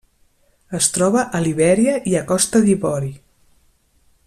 Es troba a Libèria i a Costa d'Ivori.